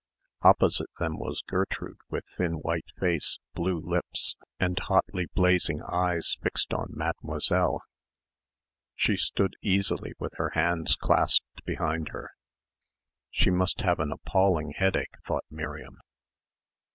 Opposite them was Gertrude with thin white face, blue lips and hotly blazing eyes fixed on Mademoiselle. She stood easily with her hands clasped behind her. She must have an appalling headache thought Miriam.